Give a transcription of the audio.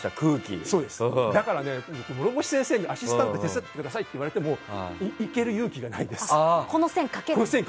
だから、諸星先生にアシスタントで手伝ってほしいといわれてもいける勇気がないです。